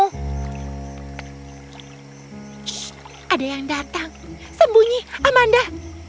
shh ada yang datang sembunyi amanda